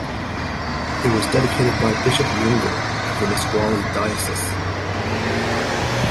It was dedicated by Bishop Junger of Nesqually Diocese.